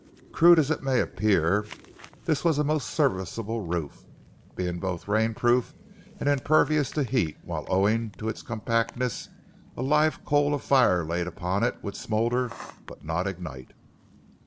Crude as it may appear, this was a most serviceable roof, being both rain proof and impervious to heat, while, owing to its compactness, a live coal of fire laid upon it would smoulder but not ignite.